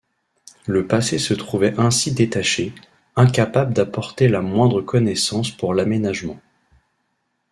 Le passé se trouvait ainsi détaché, incapable d’apporter la moindre connaissance pour l’aménagement.